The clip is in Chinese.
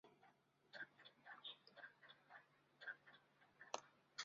策勒蒲公英为菊科蒲公英属下的一个种。